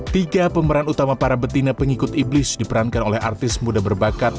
tiga pemeran utama para betina pengikut iblis diperankan oleh artis muda berbakat